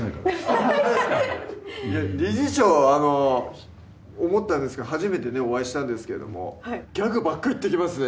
理事長思ったんですけど初めてねお会いしたんですけどもギャグばっか言ってきますね